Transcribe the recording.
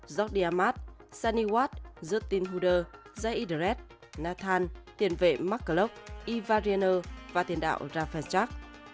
jock diamat sani watt justin huder zayid red nathan tiền vệ mark klopp eva riener và tiền đạo raphat chak